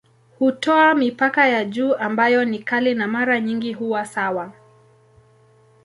Hutoa mipaka ya juu ambayo ni kali na mara nyingi huwa sawa.